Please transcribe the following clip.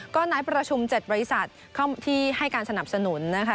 ก็นัดประชุม๗บริษัทที่ให้การสนับสนุนนะคะ